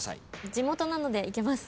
地元なのでいけます。